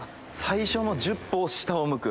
「最初の１０歩を下を向く」